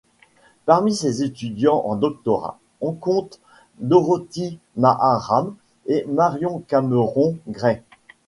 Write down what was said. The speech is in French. Parmi ses étudiantes en doctorat, on compte Dorothy Maharam et Marion Cameron Gray.